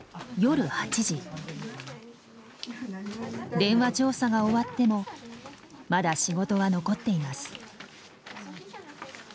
電話調査が終わってもまだ仕事は残っています。